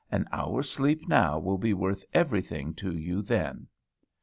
An hour's sleep now will be worth everything to you then."